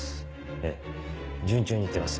ええ順調にいってます